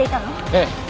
ええ。